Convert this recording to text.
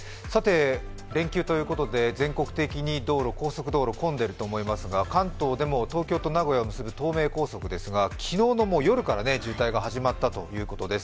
連休ということで全国的に高速道路混んでいると思いますが関東でも東京と名古屋を結ぶ東名高速ですが昨日の夜から渋滞が始まったということです。